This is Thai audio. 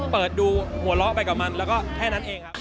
เปิดดูหัวเราะไปกับมันแล้วก็แค่นั้นเองครับ